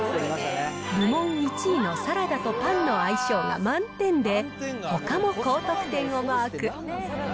部門１位のサラダとパンの相性が満点で、ほかも高得点をマーク。